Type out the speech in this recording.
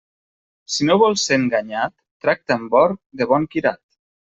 Si no vols ser enganyat, tracta amb or de bon quirat.